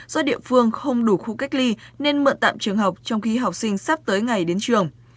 do địa phương không đủ khu cách ly nên mượn tạm trường học trong khi học sinh sắp tới ngày đến trường